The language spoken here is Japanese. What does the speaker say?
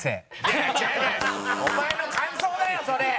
お前の感想だよそれ！